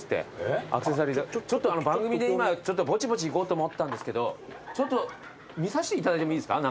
ちょっと番組で今ぼちぼち行こうと思ったんですけど見させていただいてもいいですか？